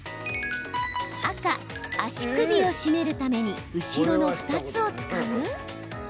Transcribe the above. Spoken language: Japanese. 赤・足首を締めるために後ろの２つを使う？